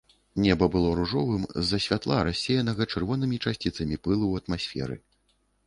Неба было ружовым з-за святла, рассеянага чырвонымі часціцамі пылу ў атмасферы.